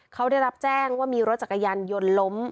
เขาได้รับแจ้งว่ามีรถจักรยานยนต์ล้ม